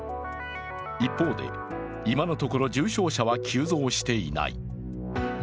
一方で、今のところ、重症者は急増していない。